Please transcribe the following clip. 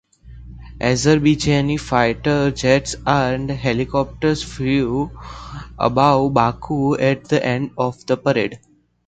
Azerbaijani fighter jets and helicopters flew above Baku at the end of the parade.